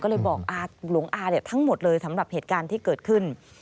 ก็เลยบอกอาหลวงอาทั้งหมดเลยสำหรับเหตุการณ์ที่เกิดขึ้น